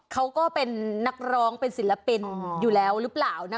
เขาก็เป็นนักร้องเป็นศิลปินอยู่แล้วหรือเปล่านะ